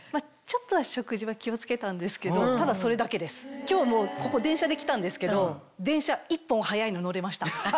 ちょっと食事は気を付けたんですけどただそれだけです今日も電車で来たんですけど電車１本早いの乗れました。